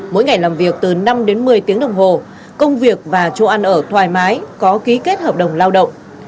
mỗi ngày làm việc từ năm đến một mươi tiếng đồng hồ công việc và chỗ ăn ở thoải mái có ký kết hợp đồng lao động